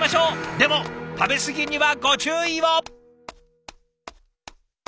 でも食べ過ぎにはご注意を！